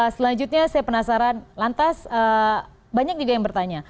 selanjutnya saya penasaran lantas banyak juga yang bertanya